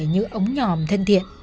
như ống nhòm thân thiện